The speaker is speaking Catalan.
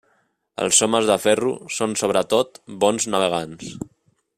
Els homes de Ferro són sobretot bons navegants.